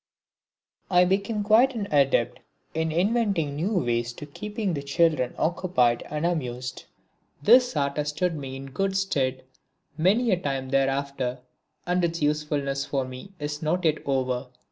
I became quite an adept in inventing new ways of keeping the children occupied and amused. This art has stood me in good stead many a time thereafter, and its usefulness for me is not yet over.